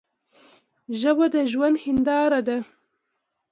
ژبه د ژوند هنداره ده.